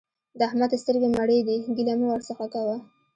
د احمد سترګې مړې دي؛ ګيله مه ورڅخه کوه.